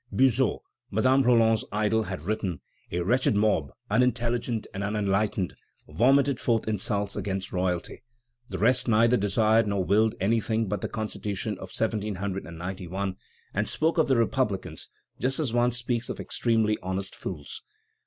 Buzot, Madame Roland's idol, has written: "A wretched mob, unintelligent and unenlightened, vomited forth insults against royalty; the rest neither desired nor willed anything but the Constitution of 1791, and spoke of the republicans just as one speaks of extremely honest fools.